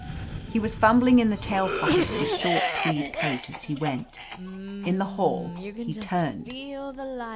He was fumbling in the tail pocket of his short tweed coat as he went. In the hall he turned.